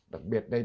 đặc biệt đây